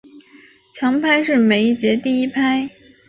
强拍是每小节第一拍。